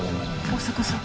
大迫さん。